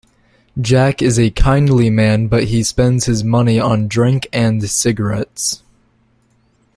Jack is a kindly man but he spends his money on drink and cigarettes.